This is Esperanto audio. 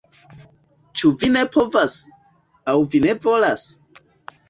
Ĉu vi ne povas, aŭ vi ne volas?